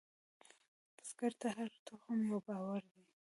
بزګر ته هره تخم یو باور دی